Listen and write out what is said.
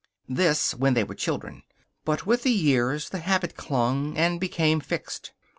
This when they were children. But with the years the habit clung and became fixed.